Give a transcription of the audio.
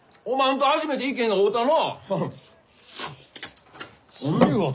おまんと初めて意見が合うたのう。